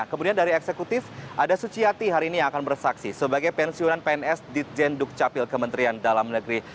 kemudian dari eksekutif ada suciati hari ini yang akan bersaksi sebagai pensiunan pns di jenduk capil kementerian dalam negeri